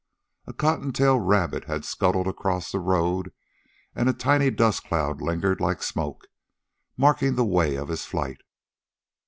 A cottontail rabbit had scuttled across the road, and a tiny dust cloud lingered like smoke, marking the way of his flight.